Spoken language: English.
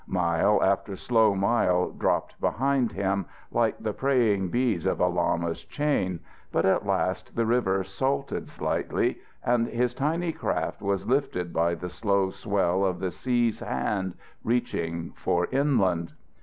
Mile after slow mile dropped behind him, like the praying beads of a lama's chain, but at last the river salted slightly, and his tiny craft was lifted by the slow swell of the sea's hand reaching for inland.